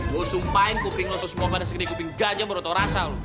gue sumpahin kuping lo semua pada segeni kuping gajah menurut lo rasa